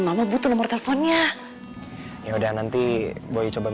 namabu bawah surgats nauseous tr